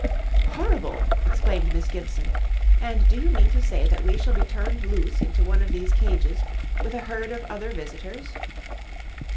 "Horrible!" exclaimed Miss Gibson. "And do you mean to say that we shall be turned loose into one of these cages with a herd of other visitors?"